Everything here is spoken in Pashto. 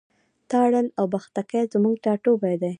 تارڼ اوبښتکۍ زموږ ټاټوبی دی.